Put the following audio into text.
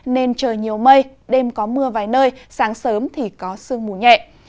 nên trời nhiều mây đêm có mưa vài nơi sáng sớm thì có sương mù nhẹ